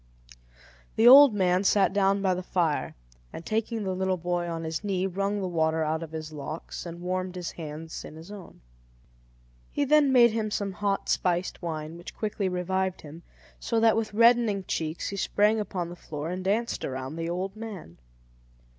The old man sat down by the fire, and taking the little boy on his knee, wrung the water out of his locks and warmed his hands in his own. He then made him some hot spiced wine, which quickly revived him; so that with reddening cheeks, he sprang upon the floor and danced around the old man.